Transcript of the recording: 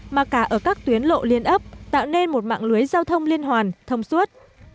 mà cả ở các tuyến lộ liên ấp tạo nên một mạng lưới giao thông liên hoàn thông suốt